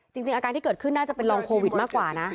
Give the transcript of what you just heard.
จริงอาการที่เกิดขึ้นน่าจะเป็นรองโควิดมากกว่านะ